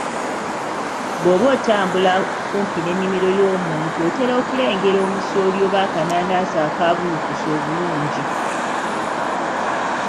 Bw'oba otambula kumpi n'ennimiro y'omuntu otera okulengera omusooli oba akanaanansi akabuulukuse obulungi